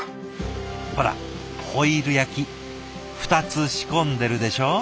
ほらホイル焼き２つ仕込んでるでしょ？